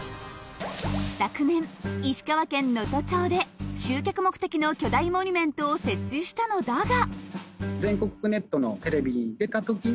昨年石川県能登町で集客目的の巨大モニュメントを設置したのだが。